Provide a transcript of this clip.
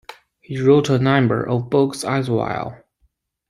He wrote a number of books as well.